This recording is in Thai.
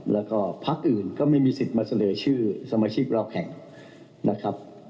แล้วก็พักอื่นก็ไม่มีสิทธิ์มาเสนอชื่อสมาชิกเราแข่งนะครับ